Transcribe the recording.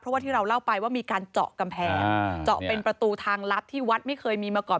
เพราะว่าที่เราเล่าไปว่ามีการเจาะกำแพงเจาะเป็นประตูทางลับที่วัดไม่เคยมีมาก่อน